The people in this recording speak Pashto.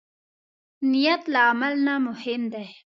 نیت له عمل نه مهم دی.